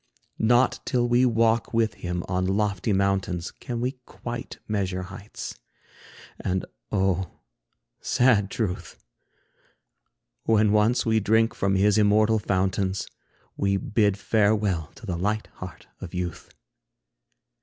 Not till we walk with him on lofty mountains, Can we quite measure heights. And, oh, sad truth! When once we drink from his immortal fountains, We bid farewell to the light heart of youth.